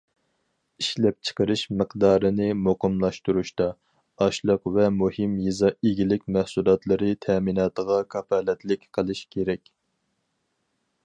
ئىشلەپچىقىرىش مىقدارىنى مۇقىملاشتۇرۇشتا، ئاشلىق ۋە مۇھىم يېزا ئىگىلىك مەھسۇلاتلىرى تەمىناتىغا كاپالەتلىك قىلىش كېرەك.